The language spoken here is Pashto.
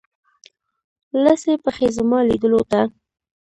لڅي پښې زما لیدولو ته